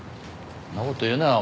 んなこと言うなよ